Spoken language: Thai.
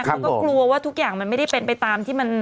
เขาก็กลัวว่าทุกอย่างมันไม่ได้เป็นไปตามที่มัน